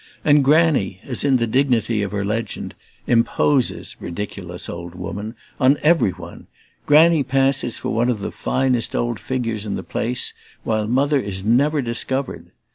And Granny, as in the dignity of her legend, imposes, ridiculous old woman, on every one Granny passes for one of the finest old figures in the place, while Mother is never discovered.